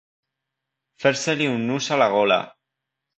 Fer-se-li un nus a la gola.